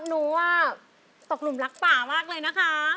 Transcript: หนูว่าสกหนุนลักป่ามากเลยนะคะ